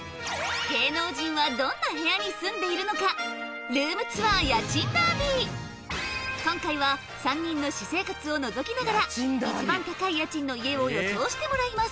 芸能人はどんな部屋に住んでいるのか今回は３人の私生活を覗きながら一番高い家賃の家を予想してもらいます